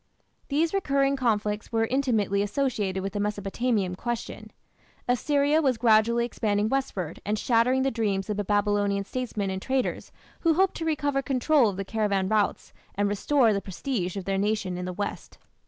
These recurring conflicts were intimately associated with the Mesopotamian question. Assyria was gradually expanding westward and shattering the dreams of the Babylonian statesmen and traders who hoped to recover control of the caravan routes and restore the prestige of their nation in the west.